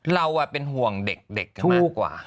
เราอ่ะเป็นห่วงเด็กค่ะมากกว่า